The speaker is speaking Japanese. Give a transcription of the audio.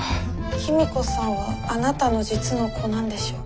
公子さんはあなたの実の子なんでしょうか？